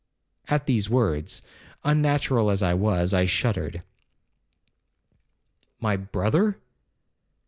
At these words, unnatural as I was, I shuddered. I said, 'My brother!'